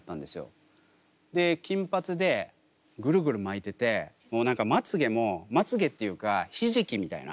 で金髪でぐるぐる巻いててもう何かまつげもまつげっていうかひじきみたいな。